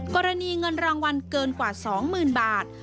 กรณีเงินรางวัลเกินกว่า๒๐๐๐บาท